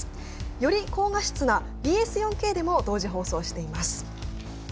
より高画質なＢＳ４Ｋでも同時放送しています。